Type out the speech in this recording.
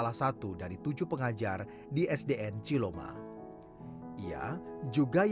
tapi agak mudah ede puji dengan perahu sama orang sekolah